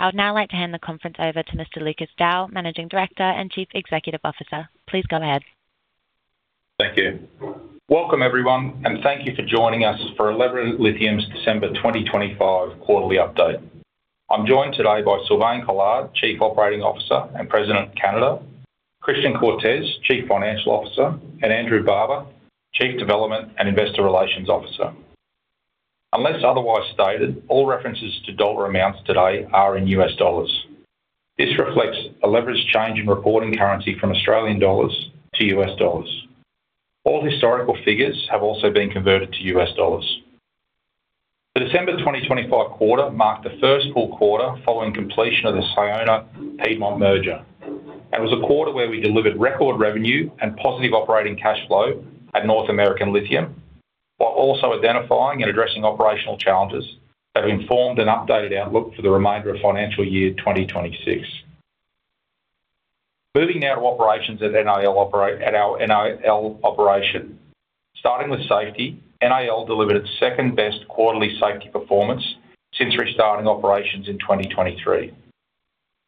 I would now like to hand the conference over to Mr. Lucas Dow, Managing Director and Chief Executive Officer. Please go ahead. Thank you. Welcome, everyone, and thank you for joining us for Elevra Lithium's December 2025 Quarterly Update. I'm joined today by Sylvain Collard, Chief Operating Officer and President of Canada, Christian Cortes, Chief Financial Officer, and Andrew Barber, Chief Development and Investor Relations Officer. Unless otherwise stated, all references to dollar amounts today are in US dollars. This reflects a leveraged change in reporting currency from Australian dollars to US dollars. All historical figures have also been converted to US dollars. The December 2025 quarter marked the first full quarter following completion of the Sayona-Piedmont merger and was a quarter where we delivered record revenue and positive operating cash flow at North American Lithium, while also identifying and addressing operational challenges that have informed an updated outlook for the remainder of financial year 2026. Moving now to operations at our NAL operation. Starting with safety, NAL delivered its second-best quarterly safety performance since restarting operations in 2023.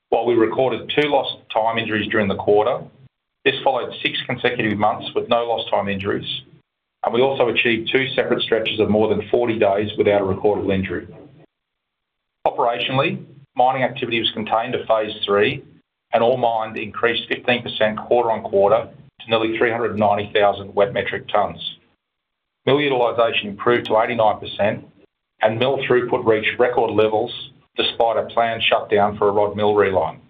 While we recorded two lost time injuries during the quarter, this followed six consecutive months with no lost time injuries, and we also achieved two separate stretches of more than 40 days without a recordable injury. Operationally, mining activity was contained to phase three, and all mined increased 15% quarter-over-quarter to nearly 390,000 wet metric tons. Mill utilization improved to 89%, and mill throughput reached record levels despite a planned shutdown for a rod mill reline.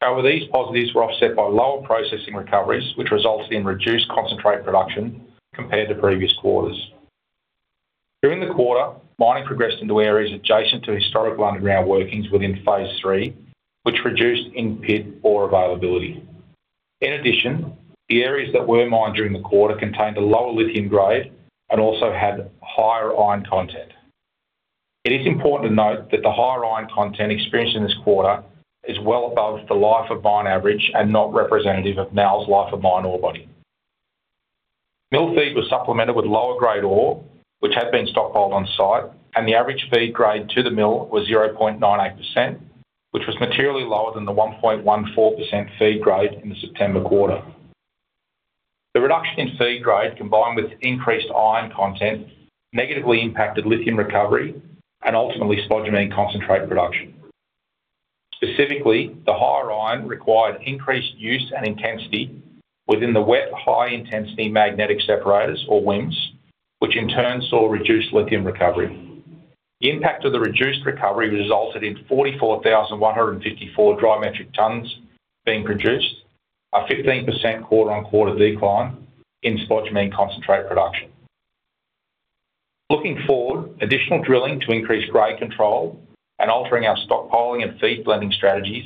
However, these positives were offset by lower processing recoveries, which resulted in reduced concentrate production compared to previous quarters. During the quarter, mining progressed into areas adjacent to historical underground workings within phase three, which reduced in-pit ore availability. In addition, the areas that were mined during the quarter contained a lower lithium grade and also had higher iron content. It is important to note that the higher iron content experienced in this quarter is well above the life-of-mine average and not representative of NAL's life-of-mine ore body. Mill feed was supplemented with lower grade ore, which had been stockpiled on site, and the average feed grade to the mill was 0.98%, which was materially lower than the 1.14% feed grade in the September quarter. The reduction in feed grade, combined with increased iron content, negatively impacted lithium recovery and ultimately spodumene concentrate production. Specifically, the higher iron required increased use and intensity within the wet high-intensity magnetic separators, or WHIMS, which in turn saw reduced lithium recovery. The impact of the reduced recovery resulted in 44,154 dry metric tons being produced, a 15% quarter-on-quarter decline in spodumene concentrate production. Looking forward, additional drilling to increase grade control and altering our stockpiling and feed blending strategies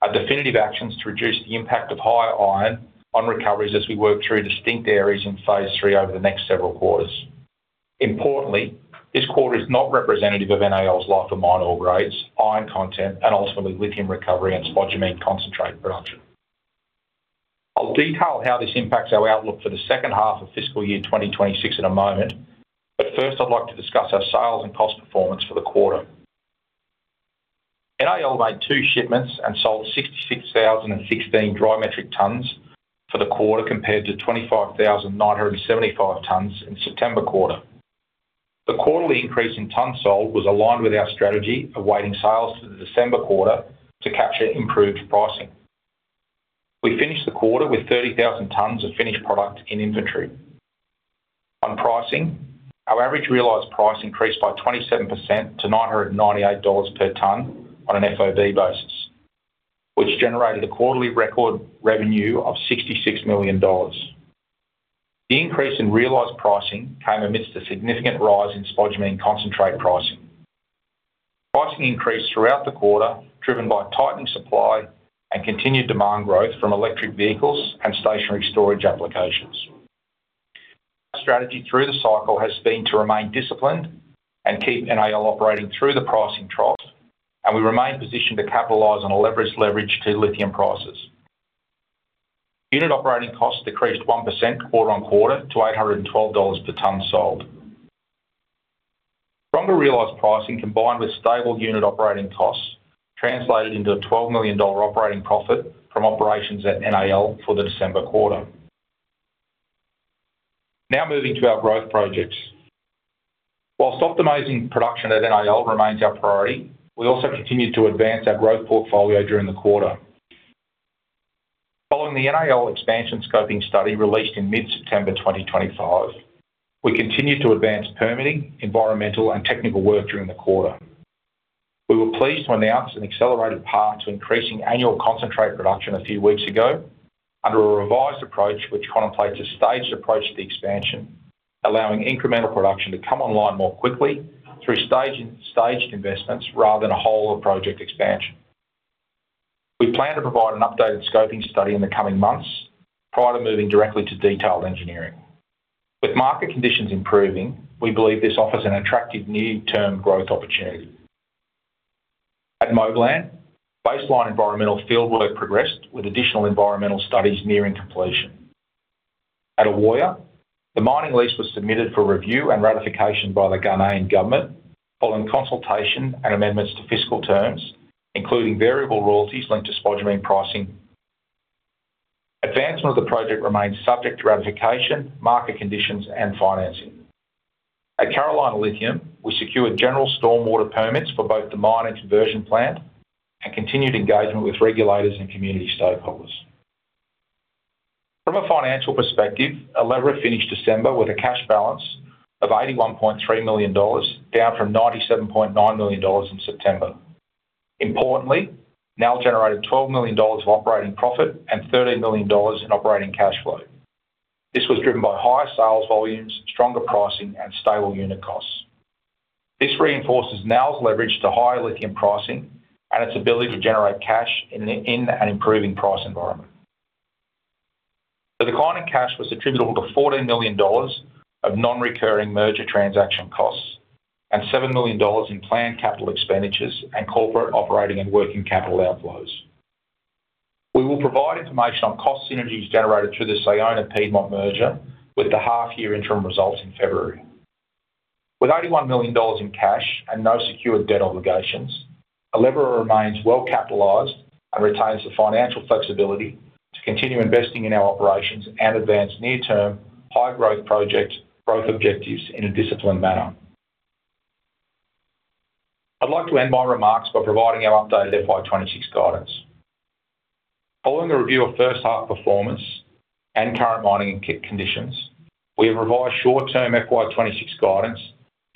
are definitive actions to reduce the impact of higher iron on recoveries as we work through distinct areas in phase three over the next several quarters. Importantly, this quarter is not representative of NAL's life-of-mine ore grades, iron content, and ultimately lithium recovery and spodumene concentrate production. I'll detail how this impacts our outlook for the second half of fiscal year 2026 in a moment, but first I'd like to discuss our sales and cost performance for the quarter. NAL made two shipments and sold 66,016 dry metric tons for the quarter compared to 25,975 tons in September quarter. The quarterly increase in tons sold was aligned with our strategy of weighting sales through the December quarter to capture improved pricing. We finished the quarter with 30,000 tons of finished product in inventory. On pricing, our average realized price increased by 27% to $998 per ton on an FOB basis, which generated a quarterly record revenue of $66 million. The increase in realized pricing came amidst a significant rise in spodumene concentrate pricing. Pricing increased throughout the quarter, driven by tightening supply and continued demand growth from electric vehicles and stationary storage applications. Our strategy through the cycle has been to remain disciplined and keep NAL operating through the pricing trough, and we remain positioned to capitalize on a leverage to lithium prices. Unit operating costs decreased 1% quarter-over-quarter to $812 per ton sold. Stronger realized pricing combined with stable unit operating costs translated into a $12 million operating profit from operations at NAL for the December quarter. Now moving to our growth projects. While optimizing production at NAL remains our priority, we also continued to advance our growth portfolio during the quarter. Following the NAL expansion scoping study released in mid-September 2025, we continued to advance permitting, environmental, and technical work during the quarter. We were pleased to announce an accelerated path to increasing annual concentrate production a few weeks ago under a revised approach which contemplates a staged approach to the expansion, allowing incremental production to come online more quickly through staged investments rather than a whole-of-project expansion. We plan to provide an updated scoping study in the coming months prior to moving directly to detailed engineering. With market conditions improving, we believe this offers an attractive near-term growth opportunity. At Moblan, baseline environmental fieldwork progressed with additional environmental studies nearing completion. At Ewoyaa, the mining lease was submitted for review and ratification by the Ghanaian government following consultation and amendments to fiscal terms, including variable royalties linked to spodumene pricing. Advancement of the project remains subject to ratification, market conditions, and financing. At Carolina Lithium, we secured general stormwater permits for both the mine and conversion plant and continued engagement with regulators and community stakeholders. From a financial perspective, Elevra finished December with a cash balance of $81.3 million, down from $97.9 million in September. Importantly, NAL generated $12 million of operating profit and $13 million in operating cash flow. This was driven by higher sales volumes, stronger pricing, and stable unit costs. This reinforces NAL's leverage to higher lithium pricing and its ability to generate cash in an improving price environment. The declining cash was attributable to $14 million of non-recurring merger transaction costs and $7 million in planned capital expenditures and corporate operating and working capital outflows. We will provide information on cost synergies generated through the Sayona-Piedmont merger with the half-year interim results in February. With $81 million in cash and no secured debt obligations, Elevra remains well-capitalized and retains the financial flexibility to continue investing in our operations and advance near-term high-growth project growth objectives in a disciplined manner. I'd like to end my remarks by providing our updated FY 2026 guidance. Following a review of first-half performance and current mining conditions, we have revised short-term FY 2026 guidance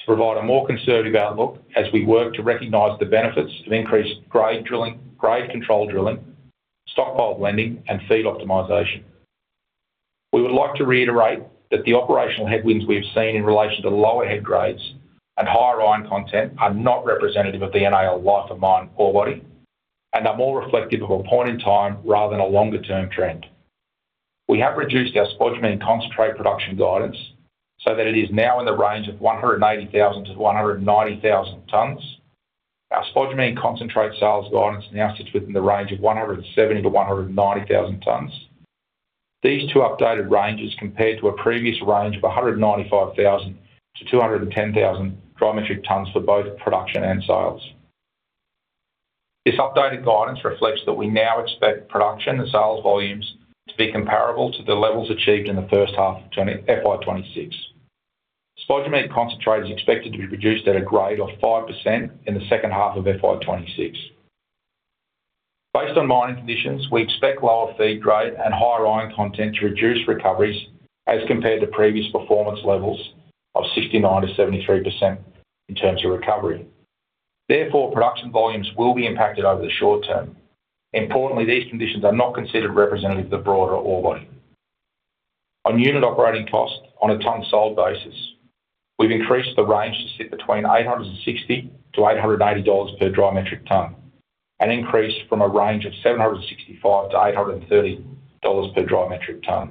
to provide a more conservative outlook as we work to recognize the benefits of increased grade drilling, grade control drilling, stockpile blending, and feed optimization. We would like to reiterate that the operational headwinds we have seen in relation to lower head grades and higher iron content are not representative of the NAL life-of-mine ore body and are more reflective of a point in time rather than a longer-term trend. We have reduced our spodumene concentrate production guidance so that it is now in the range of 180,000 tons -190,000 tons. Our spodumene concentrate sales guidance now sits within the range of 170,000 tons-190,000 tons. These two updated ranges compare to a previous range of 195,000-210,000 dry metric tons for both production and sales. This updated guidance reflects that we now expect production and sales volumes to be comparable to the levels achieved in the first half of FY 2026. Spodumene concentrate is expected to be reduced at a grade of 5% in the second half of FY 2026. Based on mining conditions, we expect lower feed grade and higher iron content to reduce recoveries as compared to previous performance levels of 69%-73% in terms of recovery. Therefore, production volumes will be impacted over the short term. Importantly, these conditions are not considered representative of the broader ore body. On unit operating costs on a ton sold basis, we've increased the range to sit between $860-$880 per dry metric ton and increased from a range of $765-$830 per dry metric ton.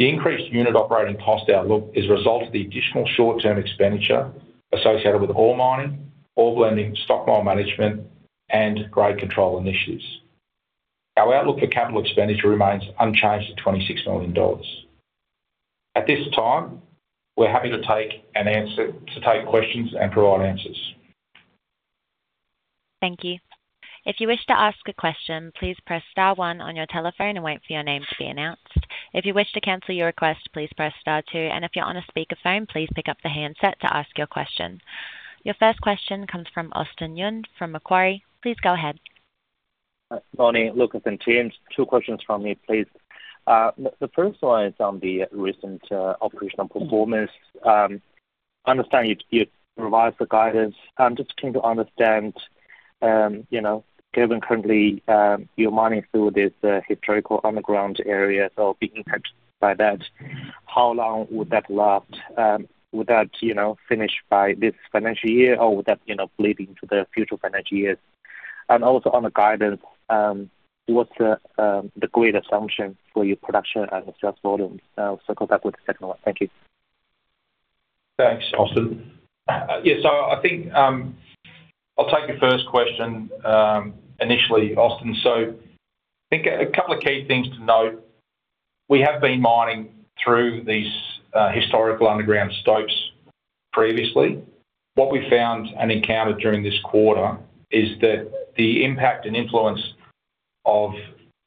The increased unit operating cost outlook is a result of the additional short-term expenditure associated with ore mining, ore blending, stockpile management, and grade control initiatives. Our outlook for capital expenditure remains unchanged at $26 million. At this time, we're happy to take questions and provide answers. Thank you. If you wish to ask a question, please press star one on your telephone and wait for your name to be announced. If you wish to cancel your request, please press star two. And if you're on a speakerphone, please pick up the handset to ask your question. Your first question comes from Austin Yun from Macquarie. Please go ahead. Good morning, Lucas and Team. Two questions from me, please. The first one is on the recent operational performance. I understand you've revised the guidance. I'm just trying to understand, given currently you're mining through this historical underground area, so being impacted by that, how long would that last? Would that finish by this financial year, or would that bleed into the future financial years? And also on the guidance, what's the key assumption for your production and sales volumes? So I'll go back with the second one. Thank you. Thanks, Austin. Yeah, so I think I'll take your first question initially, Austin. So I think a couple of key things to note. We have been mining through these historical underground stopes previously. What we found and encountered during this quarter is that the impact and influence of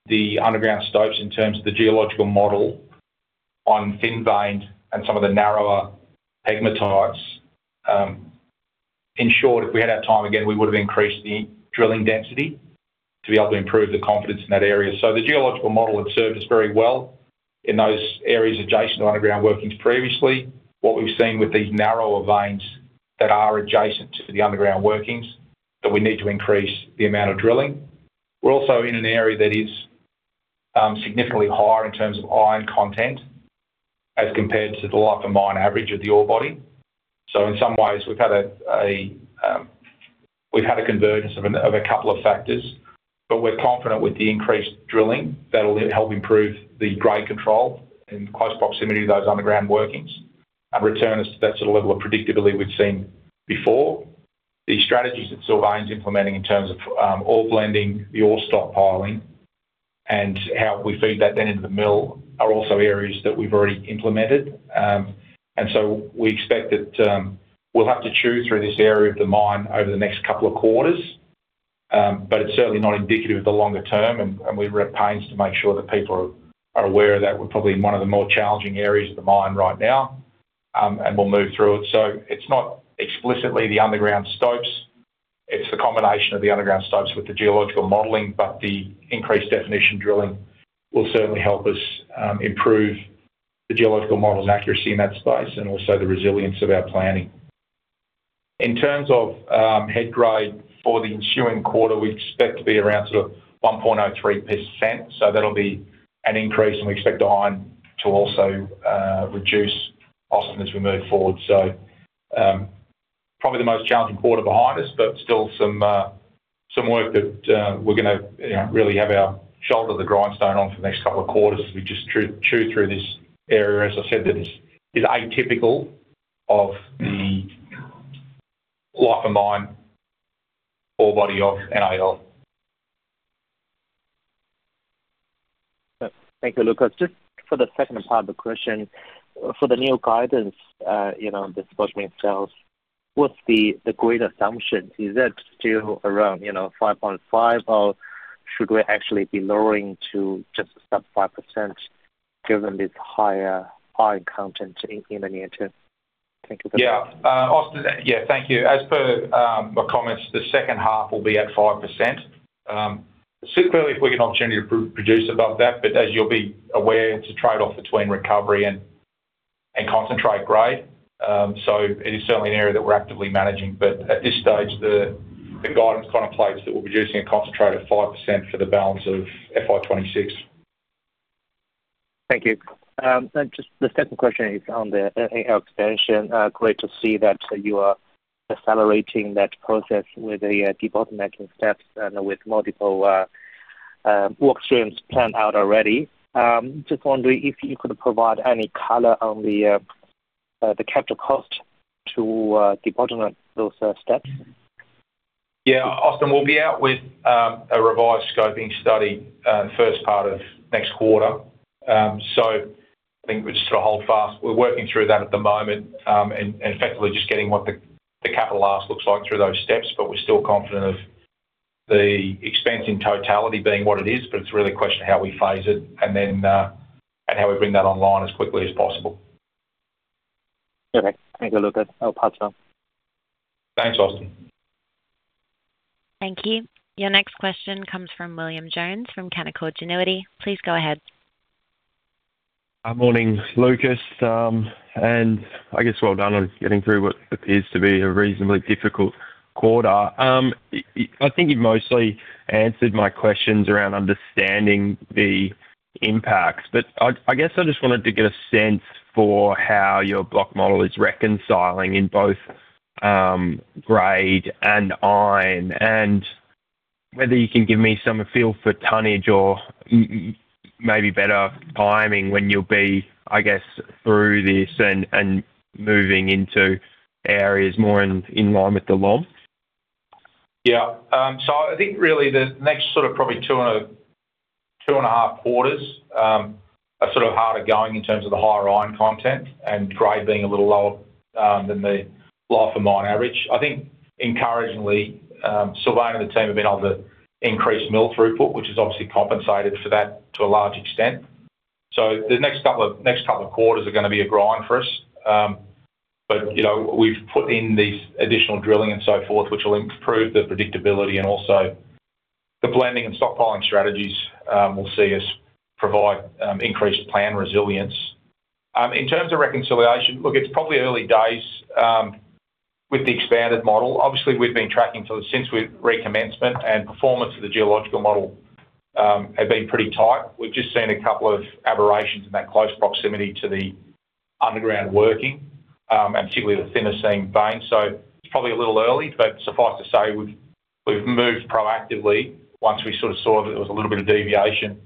the underground stopes in terms of the geological model on thin veined and some of the narrower pegmatites. In short, if we had our time again, we would have increased the drilling density to be able to improve the confidence in that area. So the geological model had served us very well in those areas adjacent to underground workings previously. What we've seen with these narrower veins that are adjacent to the underground workings is that we need to increase the amount of drilling. We're also in an area that is significantly higher in terms of iron content as compared to the life-of-mine average of the ore body. So in some ways, we've had a convergence of a couple of factors, but we're confident with the increased drilling that'll help improve the grade control in close proximity to those underground workings and return us to that sort of level of predictability we've seen before. The strategies that Sylvain's implementing in terms of ore blending, the ore stockpiling, and how we feed that then into the mill are also areas that we've already implemented. And so we expect that we'll have to chew through this area of the mine over the next couple of quarters, but it's certainly not indicative of the longer term. And we've taken pains to make sure that people are aware of that. We're probably in one of the more challenging areas of the mine right now, and we'll move through it. So it's not explicitly the underground stopes. It's the combination of the underground stopes with the geological modeling, but the increased definition drilling will certainly help us improve the geological model's accuracy in that space and also the resilience of our planning. In terms of head grade for the ensuing quarter, we expect to be around sort of 1.03%. So that'll be an increase, and we expect iron to also reduce, Austin, as we move forward. So probably the most challenging quarter behind us, but still some work that we're going to really have our shoulder to the grindstone on for the next couple of quarters as we just chew through this area. As I said, that is atypical of the life-of-mine ore body of NAL. Thank you, Lucas. Just for the second part of the question, for the new guidance, the spodumene sales, what's the grade assumption? Is that still around 5.5%, or should we actually be lowering to just sub 5% given this higher iron content in the near term? Thank you for that. Yeah, Austin, yeah, thank you. As per my comments, the second half will be at 5%. It's certainly clear if we get an opportunity to produce above that, but as you'll be aware, it's a trade-off between recovery and concentrate grade. So it is certainly an area that we're actively managing, but at this stage, the guidance contemplates that we're producing a concentrate of 5% for the balance of FY 2026. Thank you. Just the second question is on the NAL expansion. Great to see that you are accelerating that process with the debottlenecking steps and with multiple work streams planned out already. Just wondering if you could provide any color on the capital cost to debottlenecking those steps. Yeah, Austin, we'll be out with a revised scoping study first part of next quarter. So I think we're just sort of hold fast. We're working through that at the moment and effectively just getting what the capital ask looks like through those steps, but we're still confident of the expense in totality being what it is, but it's really a question of how we phase it and how we bring that online as quickly as possible. Perfect. Thank you, Lucas. I'll pass it on. Thanks, Austin. Thank you. Your next question comes from William Jones from Canaccord Genuity. Please go ahead. Good morning, Lucas. And I guess well done on getting through what appears to be a reasonably difficult quarter. I think you've mostly answered my questions around understanding the impacts, but I guess I just wanted to get a sense for how your block model is reconciling in both grade and iron and whether you can give me some feel for tonnage or maybe better timing when you'll be, I guess, through this and moving into areas more in line with the LOM. Yeah. So I think really the next sort of probably 2.5 quarters are sort of harder going in terms of the higher iron content and grade being a little lower than the life-of-mine average. I think encouragingly, Sylvain and the team have been able to increase mill throughput, which has obviously compensated for that to a large extent. So the next couple of quarters are going to be a grind for us, but we've put in this additional drilling and so forth, which will improve the predictability and also the blending and stockpiling strategies will see us provide increased plan resilience. In terms of reconciliation, look, it's probably early days with the expanded model. Obviously, we've been tracking since the recommencement and performance of the geological model had been pretty tight. We've just seen a couple of aberrations in that close proximity to the underground working and particularly the thinner seam vein. So it's probably a little early, but suffice to say we've moved proactively once we sort of saw that there was a little bit of deviation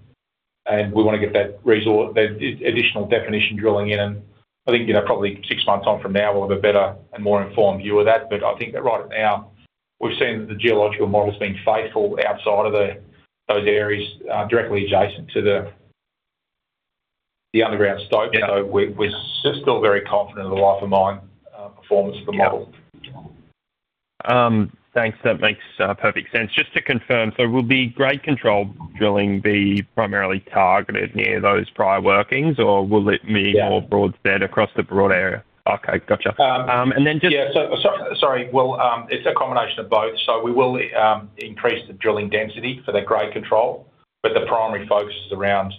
and we want to get that additional definition drilling in. And I think probably 6 months on from now we'll have a better and more informed view of that, but I think right now we've seen that the geological model's been faithful outside of those areas directly adjacent to the underground stope. So we're still very confident of the life-of-mine performance of the model. Thanks. That makes perfect sense. Just to confirm, so will be Grade Control drilling be primarily targeted near those prior workings, or will it be more broad spread across the broad area? Okay, gotcha. And then just. Yeah. Sorry. Well, it's a combination of both. So we will increase the drilling density for the grade control, but the primary focus is around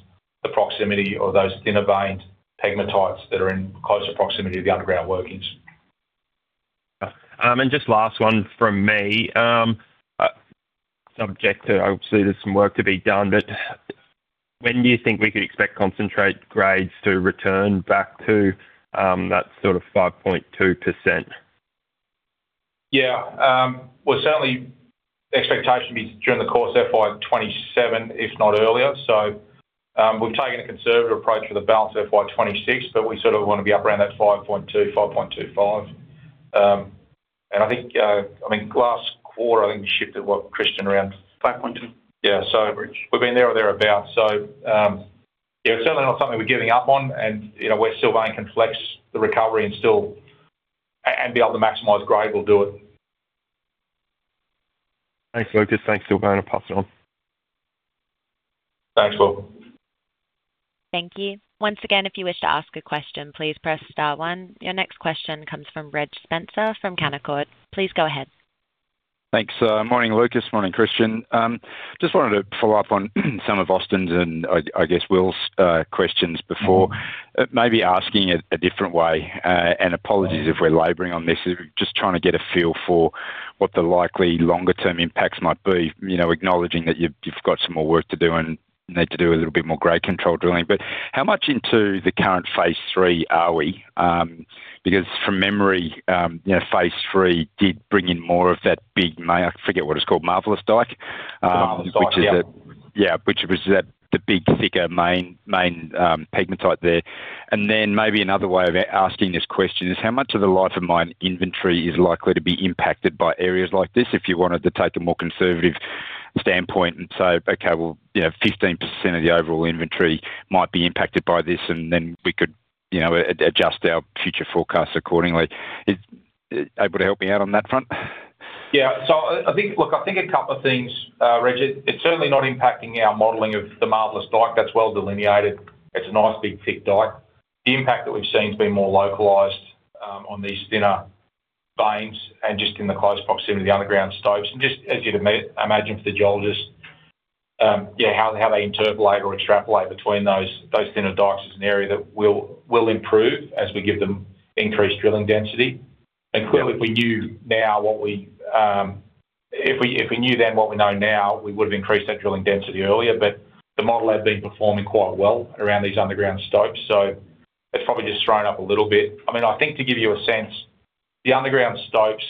the proximity of those thinner veined pegmatites that are in closer proximity to the underground workings. And just last one from me. Subject to, obviously, there's some work to be done, but when do you think we could expect concentrate grades to return back to that sort of 5.2%? Yeah. Well, certainly, the expectation would be during the course of FY 2027, if not earlier. We've taken a conservative approach with the balance of FY 2026, but we sort of want to be up around that 5.2, 5.25. I think, I mean, last quarter, I think we shifted what, Christian, around. 5.2. Yeah. So we've been there or thereabouts. So yeah, it's certainly not something we're giving up on. And where Silver Ains can flex the recovery and be able to maximize grade, we'll do it. Thanks, Lucas. Thanks, Silver Ains. I'll pass it on. Thanks, Will. Thank you. Once again, if you wish to ask a question, please press star one. Your next question comes from Reg Spencer from Canaccord Genuity. Please go ahead. Thanks. Morning, Lucas. Morning, Christian. Just wanted to follow up on some of Austin's and, I guess, Will's questions before. Maybe asking it a different way. Apologies if we're laboring on this. We're just trying to get a feel for what the likely longer-term impacts might be, acknowledging that you've got some more work to do and need to do a little bit more grade control drilling. How much into the current phase three are we? Because from memory, phase three did bring in more of that big—I forget what it's called—marvelous dike. Marvellous dyke. Yeah, which was the big thicker main pegmatite there. Then maybe another way of asking this question is how much of the life-of-mine inventory is likely to be impacted by areas like this if you wanted to take a more conservative standpoint and say, "Okay, well, 15% of the overall inventory might be impacted by this," and then we could adjust our future forecasts accordingly. Able to help me out on that front? Yeah. So look, I think a couple of things, Reg. It's certainly not impacting our modeling of the marvelous dyke. That's well delineated. It's a nice big thick dyke. The impact that we've seen has been more localized on these thinner veins and just in the close proximity of the underground stopes. And just as you'd imagine for the geologists, yeah, how they interpolate or extrapolate between those thinner dykes is an area that will improve as we give them increased drilling density. And clearly, if we knew now what we—if we knew then what we know now, we would have increased that drilling density earlier, but the model had been performing quite well around these underground stopes. So it's probably just thrown up a little bit. I mean, I think to give you a sense, the underground stopes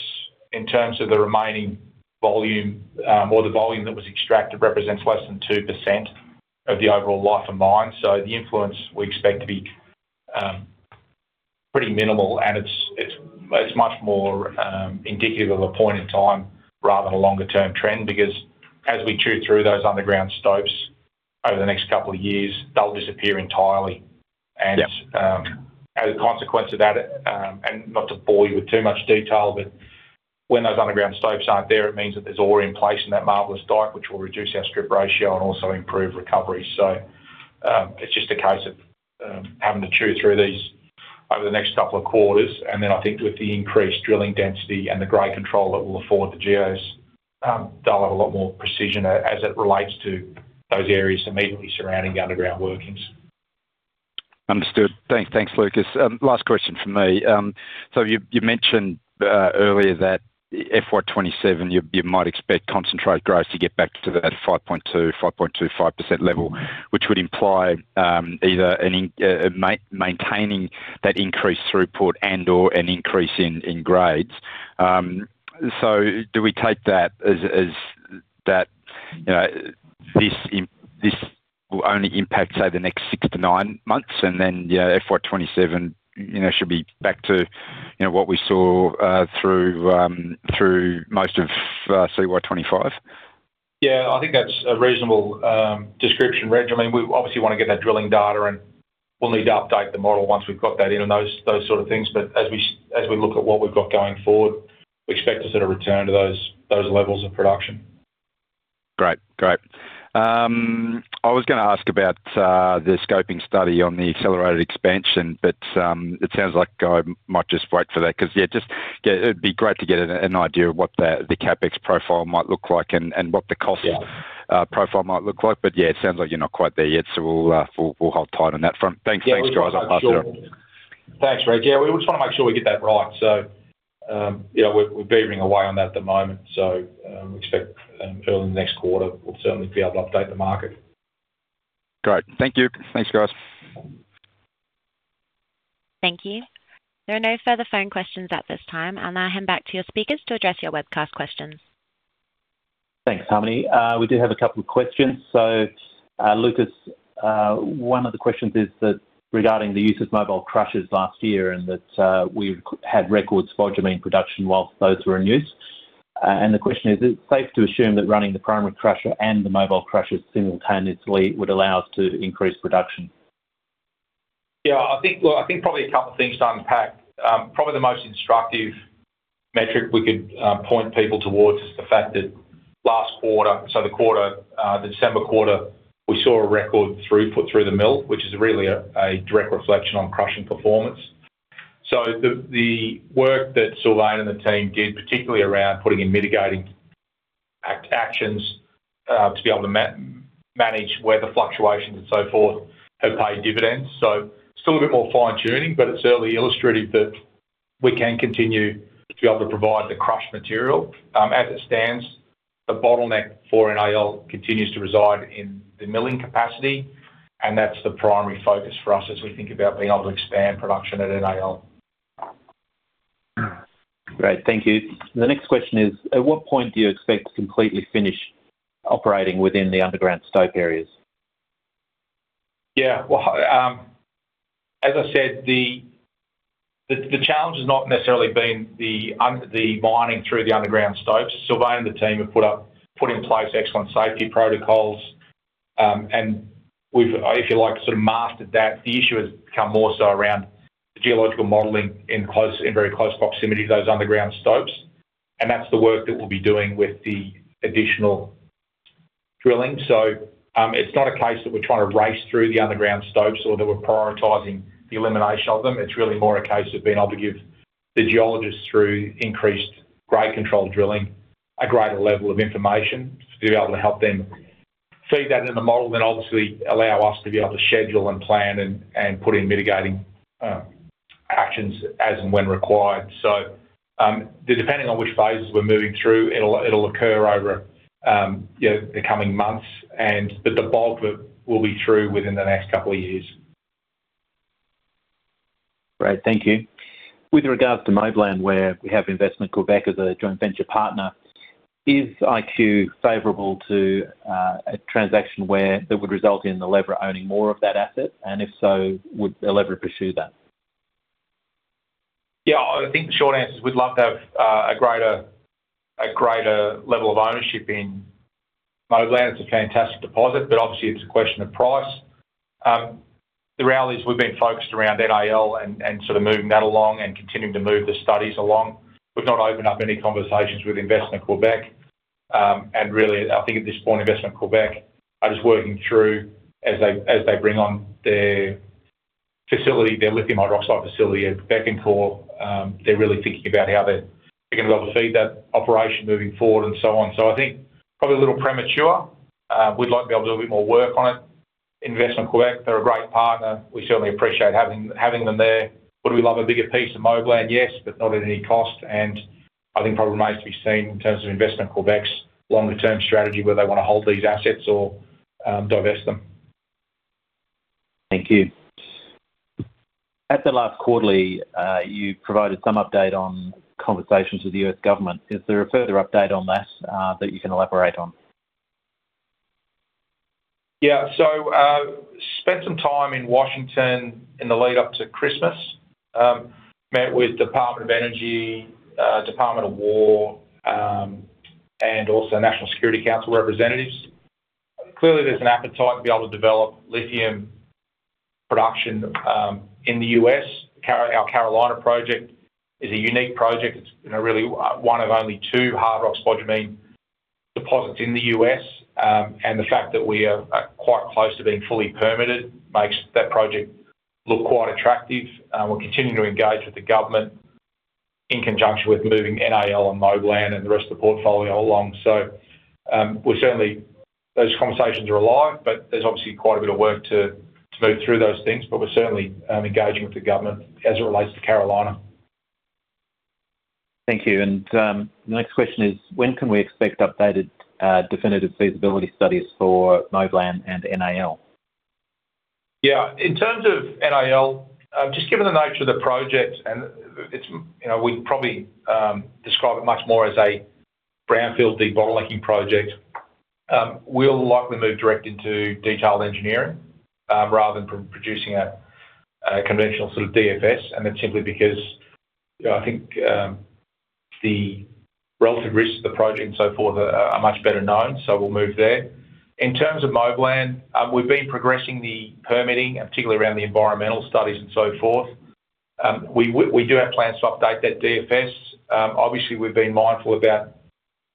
in terms of the remaining volume or the volume that was extracted represents less than 2% of the overall life-of-mine. So the influence we expect to be pretty minimal, and it's much more indicative of a point in time rather than a longer-term trend because as we chew through those underground stopes over the next couple of years, they'll disappear entirely. And as a consequence of that, and not to bore you with too much detail, but when those underground stopes aren't there, it means that there's ore in place in that marvelous dike, which will reduce our strip ratio and also improve recovery. So it's just a case of having to chew through these over the next couple of quarters. And then I think with the increased drilling density and the Grade Control that will afford the geos, they'll have a lot more precision as it relates to those areas immediately surrounding the underground workings. Understood. Thanks, Lucas. Last question from me. So you mentioned earlier that FY27, you might expect concentrate grades to get back to that 5.2%-5.25% level, which would imply either maintaining that increased throughput and/or an increase in grades. So do we take that as that this will only impact, say, the next 6-9 months, and then FY27 should be back to what we saw through most of CY25? Yeah. I think that's a reasonable description, Reg. I mean, we obviously want to get that drilling data, and we'll need to update the model once we've got that in and those sort of things. But as we look at what we've got going forward, we expect to sort of return to those levels of production. Great. Great. I was going to ask about the scoping study on the accelerated expansion, but it sounds like I might just wait for that because, yeah, it'd be great to get an idea of what the CapEx profile might look like and what the cost profile might look like. But yeah, it sounds like you're not quite there yet, so we'll hold tight on that front. Thanks. Thanks, guys. I'll pass it on. Thanks, Reg. Yeah, we just want to make sure we get that right. So we're beavering away on that at the moment. So we expect early in the next quarter, we'll certainly be able to update the market. Great. Thank you. Thanks, guys. Thank you. There are no further phone questions at this time, and I'll hand back to your speakers to address your webcast questions. Thanks, Tommy. We did have a couple of questions. So Lucas, one of the questions is regarding the use of mobile crushers last year and that we had record spodumene production while those were in use. And the question is, is it safe to assume that running the primary crusher and the mobile crushers simultaneously would allow us to increase production? Yeah. I think probably a couple of things to unpack. Probably the most instructive metric we could point people towards is the fact that last quarter, so the December quarter, we saw a record throughput through the mill, which is really a direct reflection on crushing performance. So the work that Sylvain and the team did, particularly around putting in mitigating actions to be able to manage weather fluctuations and so forth, have paid dividends. So still a bit more fine-tuning, but it's certainly illustrative that we can continue to be able to provide the crushed material. As it stands, the bottleneck for NAL continues to reside in the milling capacity, and that's the primary focus for us as we think about being able to expand production at NAL. Great. Thank you. The next question is, at what point do you expect to completely finish operating within the underground stope areas? Yeah. Well, as I said, the challenge has not necessarily been the mining through the underground stopes. Sylvain and the team have put in place excellent safety protocols, and we've, if you like, sort of mastered that. The issue has become more so around the geological modeling in very close proximity to those underground stopes, and that's the work that we'll be doing with the additional drilling. So it's not a case that we're trying to race through the underground stopes or that we're prioritizing the elimination of them. It's really more a case of being able to give the geologists through increased grade control drilling a greater level of information to be able to help them feed that into the model and then obviously allow us to be able to schedule and plan and put in mitigating actions as and when required. Depending on which phases we're moving through, it'll occur over the coming months, but the bulk of it will be through within the next couple of years. Great. Thank you. With regards to Moblan, where we have Investissement Québec called IQ as a joint venture partner, is IQ favorable to a transaction where that would result in Elevra owning more of that asset? And if so, would Elevra pursue that? Yeah. I think the short answer is we'd love to have a greater level of ownership in Moblan. It's a fantastic deposit, but obviously, it's a question of price. The reality is we've been focused around NAL and sort of moving that along and continuing to move the studies along. We've not opened up any conversations with Investissement Québec. And really, I think at this point, Investissement Québec are just working through as they bring on their facility, their lithium hydroxide facility at Bécancour. They're really thinking about how they're going to be able to feed that operation moving forward and so on. So I think probably a little premature. We'd like to be able to do a bit more work on it. Investissement Québec, they're a great partner. We certainly appreciate having them there. Would we love a bigger piece of Moblan? Yes, but not at any cost. I think probably remains to be seen in terms of Investissement Québec's longer-term strategy where they want to hold these assets or divest them. Thank you. At the last quarter, you provided some update on conversations with the U.S. government. Is there a further update on that that you can elaborate on? Yeah. So spent some time in Washington in the lead-up to Christmas, met with Department of Energy, Department of War, and also National Security Council representatives. Clearly, there's an appetite to be able to develop lithium production in the U.S. Our Carolina project is a unique project. It's really one of only two hard rock spodumene deposits in the U.S. And the fact that we are quite close to being fully permitted makes that project look quite attractive. We're continuing to engage with the government in conjunction with moving NAL and Moblan and the rest of the portfolio along. So those conversations are alive, but there's obviously quite a bit of work to move through those things. But we're certainly engaging with the government as it relates to Carolina. Thank you. The next question is, when can we expect updated definitive feasibility studies for Moblan and NAL? Yeah. In terms of NAL, just given the nature of the project, and we'd probably describe it much more as a brownfield, big bottlenecking project, we'll likely move direct into detailed engineering rather than producing a conventional sort of DFS. That's simply because I think the relative risks of the project and so forth are much better known, so we'll move there. In terms of Moblan, we've been progressing the permitting, particularly around the environmental studies and so forth. We do have plans to update that DFS. Obviously, we've been mindful about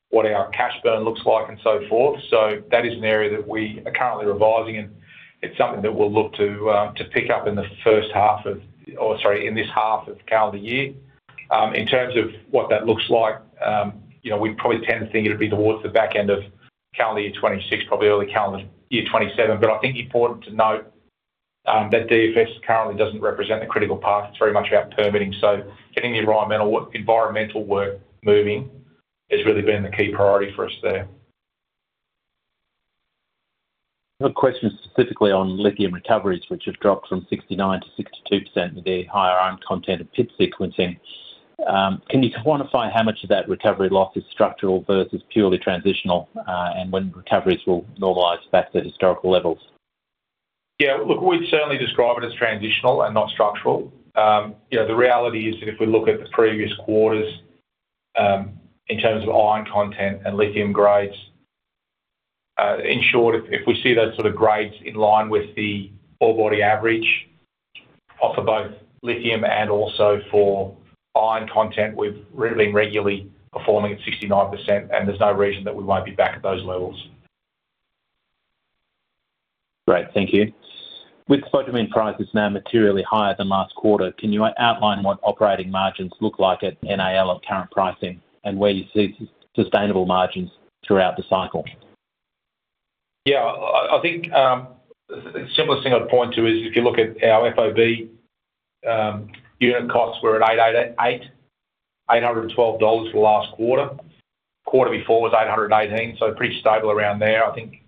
what our cash burn looks like and so forth. That is an area that we are currently revising, and it's something that we'll look to pick up in the first half of—sorry, in this half of calendar year. In terms of what that looks like, we'd probably tend to think it'd be towards the back end of calendar year 2026, probably early calendar year 2027. But I think it's important to note that DFS currently doesn't represent the critical part. It's very much about permitting. So getting the environmental work moving has really been the key priority for us there. Question specifically on lithium recoveries, which have dropped from 69%-62% with a higher iron content of PIP sequencing. Can you quantify how much of that recovery loss is structural versus purely transitional, and when recoveries will normalize back to historical levels? Yeah. Look, we'd certainly describe it as transitional and not structural. The reality is that if we look at the previous quarters in terms of iron content and lithium grades, in short, if we see those sort of grades in line with the ore body average for both lithium and also for iron content, we've been regularly performing at 69%, and there's no reason that we won't be back at those levels. Great. Thank you. With spodumene prices now materially higher than last quarter, can you outline what operating margins look like at NAL at current pricing and where you see sustainable margins throughout the cycle? Yeah. I think the simplest thing I'd point to is if you look at our FOB unit costs, we're at $812 for the last quarter. Quarter before was $818, so pretty stable around there. I think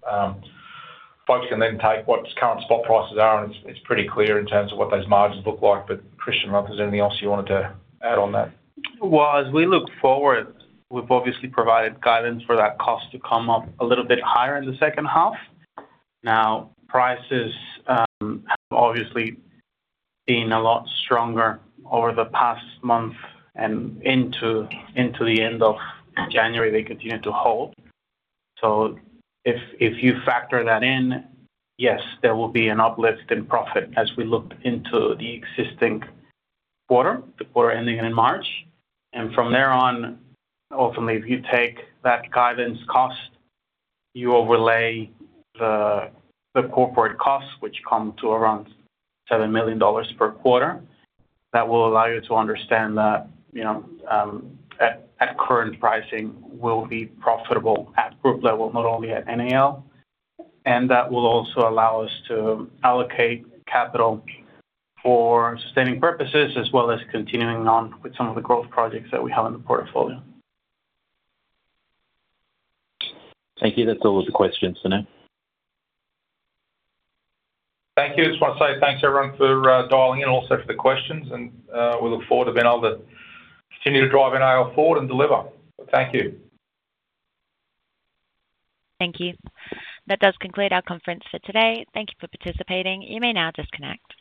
folks can then take what current spot prices are, and it's pretty clear in terms of what those margins look like. But Christian Cortes, anything else you wanted to add on that? Well, as we look forward, we've obviously provided guidance for that cost to come up a little bit higher in the second half. Now, prices have obviously been a lot stronger over the past month, and into the end of January, they continue to hold. So if you factor that in, yes, there will be an uplift in profit as we look into the existing quarter, the quarter ending in March. And from there on, ultimately, if you take that guidance cost, you overlay the corporate costs, which come to around $7 million per quarter, that will allow you to understand that at current pricing, we'll be profitable at group level, not only at NAL. And that will also allow us to allocate capital for sustaining purposes as well as continuing on with some of the growth projects that we have in the portfolio. Thank you. That's all of the questions for now. Thank you. That's why I say thanks to everyone for dialing in, also for the questions. We look forward to being able to continue to drive NAL forward and deliver. Thank you. Thank you. That does conclude our conference for today. Thank you for participating. You may now disconnect.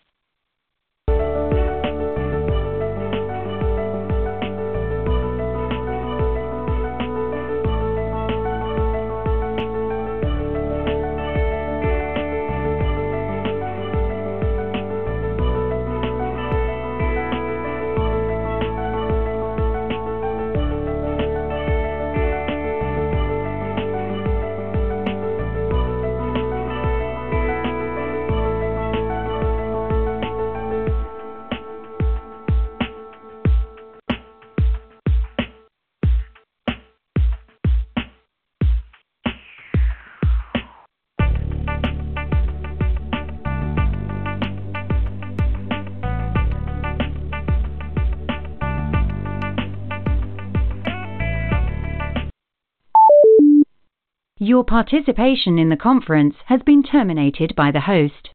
Your participation in the conference has been terminated by the host.